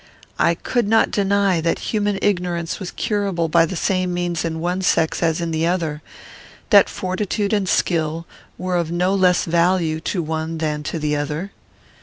I could not deny that human ignorance was curable by the same means in one sex as in the other; that fortitude and skill were of no less value to one than to the other.